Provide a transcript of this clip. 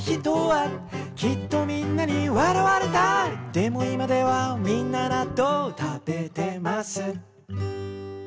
「でも今ではみんななっとう食べてます」